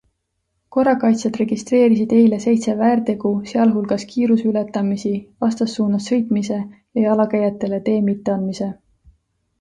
Korrakaitsjad registreerisid eile seitse väärtegu, sealhulgas kiiruseületamisi, vastassuunas sõitmise ja jalakäijatele tee mitteandmise.